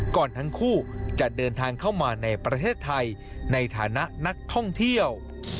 ก่อนทั้งคู่จะเดินทางเข้ามาในประเทศไทยในฐานะนักท่องเที่ยว